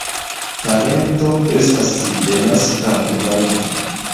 Talento estas denaska kvalito.